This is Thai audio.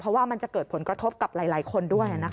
เพราะว่ามันจะเกิดผลกระทบกับหลายคนด้วย